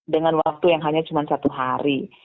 dengan waktu yang hanya cuma satu hari